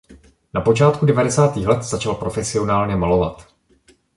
Na počátku devadesátých let začal profesionálně malovat.